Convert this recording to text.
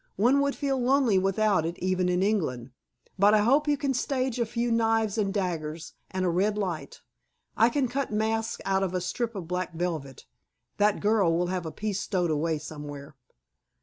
One would feel lonely without it, even in England. But I hope you can stage a few knives and daggers, and a red light. I can cut masks out of a strip of black velvet. That girl will have a piece stowed away somewhere."